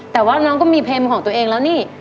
แต่ว่าน้องก็มีเพลงของตัวเองแล้วนี่